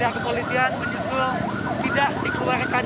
kepolisian menyusul tidak dikeluarkan